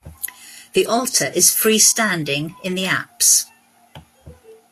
The altar is free-standing in the apse.